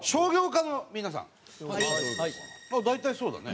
大体そうだね。